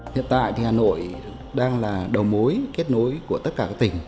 hiện tại thì hà nội đang là đầu mối kết nối của tất cả các tỉnh